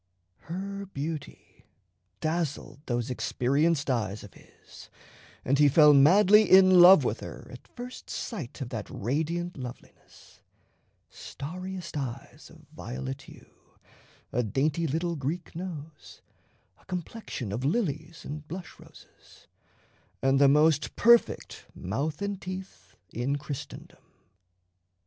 Her beauty dazzled those experienced eyes of his, and he fell madly in love with her at first sight of that radiant loveliness: starriest eyes of violet hue, a dainty little Greek nose, a complexion of lilies and blush roses, and the most perfect mouth and teeth in Christendom.